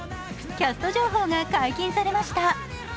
キャスト情報が解禁されました。